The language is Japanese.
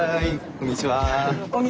こんにちは。